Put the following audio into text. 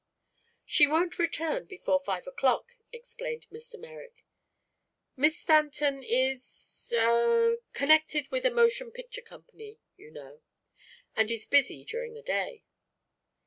"She won't return before five o'clock," explained Mr. Merrick. "Miss Stanton is er connected with a motion picture company, you know, and is busy during the day."